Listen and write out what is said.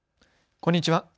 こんにちは。